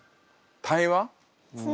対話？